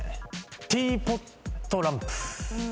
ティーポットランプ。